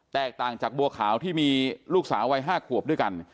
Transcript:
ต่างจากบัวขาวที่มีลูกสาววัย๕ขวบด้วยกัน